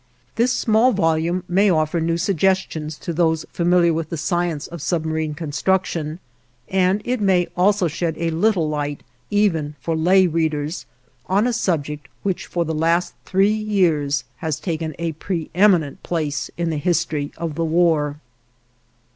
This small volume may offer new suggestions to those familiar with the science of submarine construction, and it may also shed a little light, even for lay readers, on a subject which for the last three years has taken a preëminent place in the history of the War.